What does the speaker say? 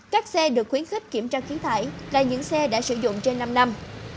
các xe được khuyến khích kiểm tra khí thải là những xe đã sử dụng trên năm năm